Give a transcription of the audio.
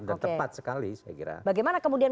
dan tepat sekali saya kira bagaimana kemudian